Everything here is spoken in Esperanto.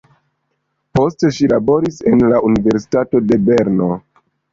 Poste ŝi laboris en la universitato de Berno.